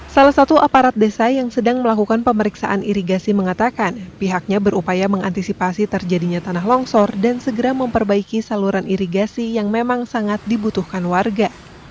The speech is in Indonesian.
salah satu aparat desa yang sedang melakukan pemeriksaan irigasi mengatakan pihaknya berupaya mengantisipasi terjadinya tanah longsor dan segera memperbaiki saluran irigasi yang memang sangat dibutuhkan warga